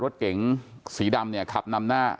รถเก่งสีดำขับนำหน้า